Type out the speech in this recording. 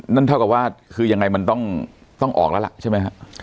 นั่นเท่ากับว่าคือยังไงมันต้องออกแล้วล่ะใช่ไหมฮะ